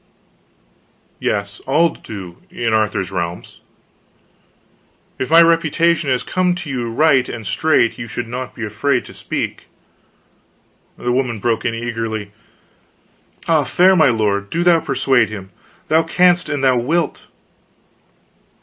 "Yes. All do, in Arthur's realms." "If my reputation has come to you right and straight, you should not be afraid to speak." The woman broke in, eagerly: "Ah, fair my lord, do thou persuade him! Thou canst an thou wilt.